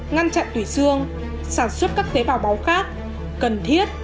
ngăn chặn tủy xương sản xuất các tế bào máu khác cần thiết